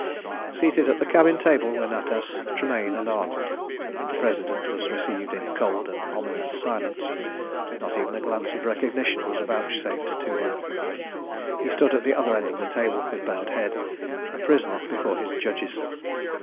Seated at the cabin table were Natas, Tremayne, and Arnold. The President was received in cold and ominous silence, not even a glance of recognition was vouchsafed to him. He stood at the other end of the table with bowed head, a prisoner before his judges.